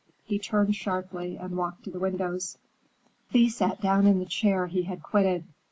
He turned sharply and walked to the windows. Thea sat down in the chair he had quitted.